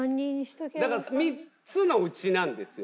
だから３つのうちなんですよ。